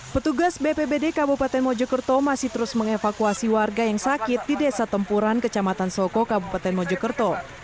petugas bpbd kabupaten mojokerto masih terus mengevakuasi warga yang sakit di desa tempuran kecamatan soko kabupaten mojokerto